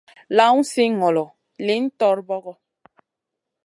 Lawn si ŋolo, lihn torbogo.